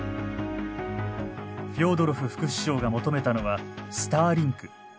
フョードロフ副首相が求めたのはスターリンク。